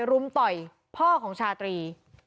รุมต่อยพ่อของชาตรี